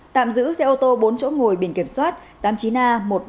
tạm giữ xe ô tô bốn chỗ ngồi biển kiểm soát tám mươi chín a một mươi ba nghìn bảy trăm sáu mươi sáu